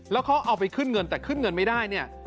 แล้วเขาเอาไปขึ้นเงินแต่ขึ้นเงินไม่ได้เนี่ย